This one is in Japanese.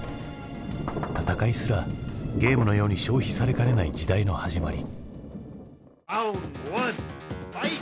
戦いすらゲームのように消費されかねない時代の始まり。